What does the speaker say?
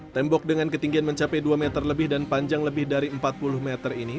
tembok dengan ketinggian mencapai dua meter lebih dan panjang lebih dari empat puluh meter ini